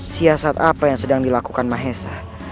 siasat apa yang sedang dilakukan mahesa